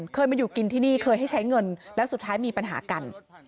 เคยมาอยู่กินที่นี่เคยให้ใช้เงินแล้วสุดท้ายมีปัญหากัน